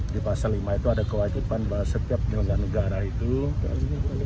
di pasal lima itu ada kewajiban bahwa setiap penyelenggara negara itu